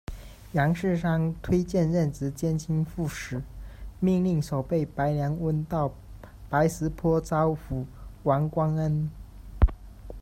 杨嗣昌推荐任职监军副使，命令守备白良弼到白石陂招抚王光恩。